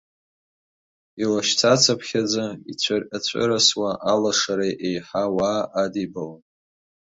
Илашьцацыԥхьаӡа ицәырҟьацәырасуа алашара еиҳа ауаа адибалон.